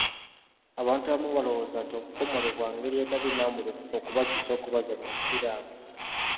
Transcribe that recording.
Abantu abamu balowooza nti okukomolebwa ngeri etali nnambulukufu okubakyusa okubazza mu busiraamu.